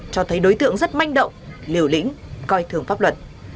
cho thấy đối tượng rất manh động liều lĩnh coi thường pháp luật